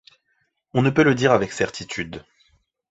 On ne peut le dire avec certitude.